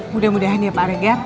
mudah mudahan ya pak regar